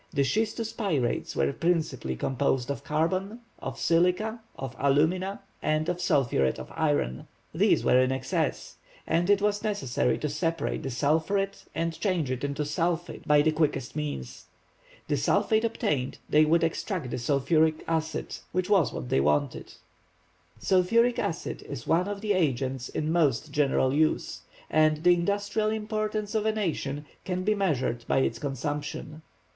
The schistous pyrites were principally composed of carbon, of silica, of alumina, and sulphuret of iron,—these were in excess,—it was necessary to separate the sulphuret and change it into sulphate by the quickest means. The sulphate obtained, they would extract the Sulphuric acid, which was what they wanted. Sulphuric acid is one of the agents in most general use, and the industrial importance of a nation can be measured by its consumption.